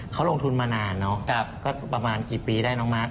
เขาลงทุนมานานมิกรูประมาณกี่ปีได้ครับน้องมัก